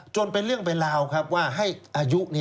เป็นเรื่องเป็นราวครับว่าให้อายุ